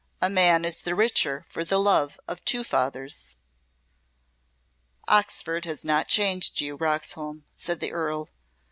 "A man is the richer for the love of two fathers." "Oxford has not changed you, Roxholm," said the Earl.